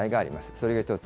それが一つ。